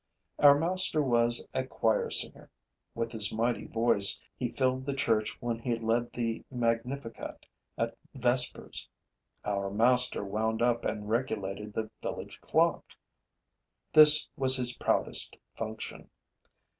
Our master was a choir singer. With his mighty voice, he filled the church when he led the Magnificat at vespers. Our master wound up and regulated the village clock. This was his proudest function.